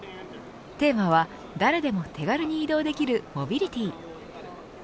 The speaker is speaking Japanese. テーマは誰でも手軽に移動できるモビリティ。